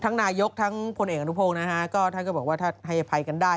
ทั้งนายกทั้งคนเองทุกถูกบอกถ้าให้อภัยกันได้